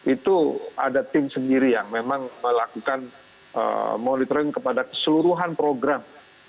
itu ada tim sendiri yang memang melakukan monitoring kepada keseluruhan program